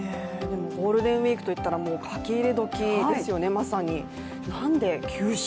ゴールデンウイークといえば書き入れ時ですよね、なんで休止。